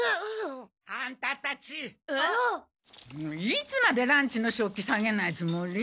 いつまでランチの食器下げないつもり！？